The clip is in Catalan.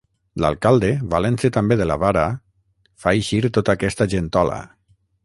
L'alcalde, valent-se també de la vara, fa eixir tota aquesta gentola.